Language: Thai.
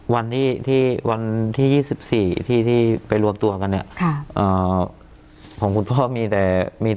วันที่๒๔ที่ไปรวมตัวกันเนี่ยของคุณพ่อมีแต่